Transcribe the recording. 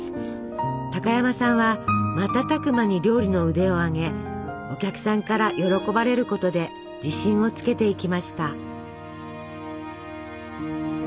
高山さんは瞬く間に料理の腕を上げお客さんから喜ばれることで自信をつけていきました。